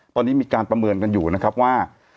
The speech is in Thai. ตอนนี้มีการประเมินกันอยู่ว่า